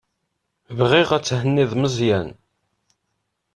Bɣiɣ ad thenniḍ Meẓyan.